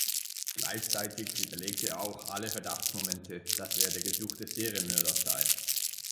Gleichzeitig widerlegt er auch alle Verdachtsmomente, dass er der gesuchte Serienmörder sei.